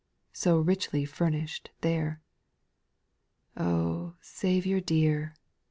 So richly furnish'd there. Oh, Saviour dear